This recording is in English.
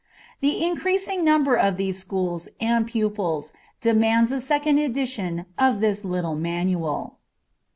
The increasing number of these schools and pupils demands a second edition of this little manual.